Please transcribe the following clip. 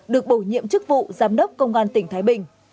được bổ nhiệm chức vụ giám đốc công an tỉnh thái bình